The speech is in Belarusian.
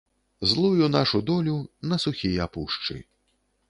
Злую нашу долю на сухія пушчы.